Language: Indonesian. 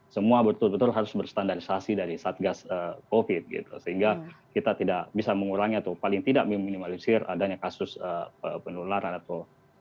semua betul betul harus berstandarisasi dari satgas covid gitu sehingga kita tidak bisa mengurangnya atau paling tidak meminimalisir adanya kasus penularan atau mereka yang terkena obat obatan